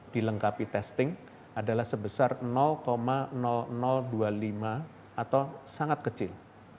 dilengkapi testing adalah sebesar dua puluh lima atau sangat kecil